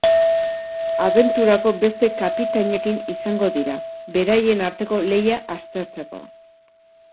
Abenturako beste kapitainekin izango dira, beraien arteko lehia aztertzeko.